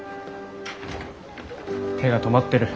手が止まってる。